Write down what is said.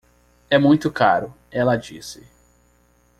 É muito caro, ela disse.